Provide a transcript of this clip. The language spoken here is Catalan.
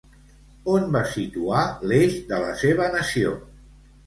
On va situar l'eix de la seva nació?